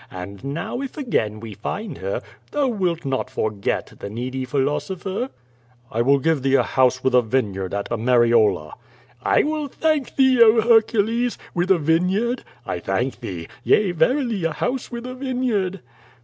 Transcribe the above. And now if a<rain we find her, thou wilt not forget the needy philosopher? QUO VADI8. 333 "I will give thee a house with a vineyard at Ameriola/' "I thank thee, oh, Hercules! With a vineyard? I thank thee! Yea, verily, a house with a vineyard!"